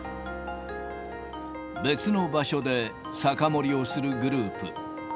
別の場所で酒盛りをするグループ。